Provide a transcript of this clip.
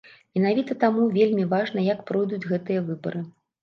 Менавіта таму вельмі важна, як пройдуць гэтыя выбары.